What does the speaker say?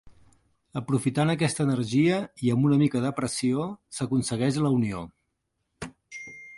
Aprofitant aquesta energia i amb una mica de pressió s'aconsegueix la unió.